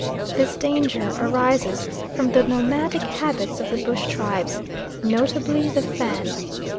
This danger arises from the nomadic habits of the bush tribes, notably the Fan.